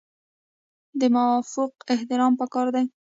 د مافوق احترام پکار دی